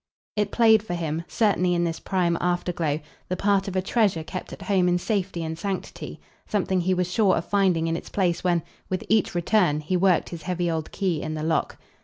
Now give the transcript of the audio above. It played for him certainly in this prime afterglow the part of a treasure kept at home in safety and sanctity, something he was sure of finding in its place when, with each return, he worked his heavy old key in the lock.